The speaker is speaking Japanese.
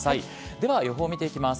では予報見ていきます。